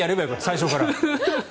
最初から。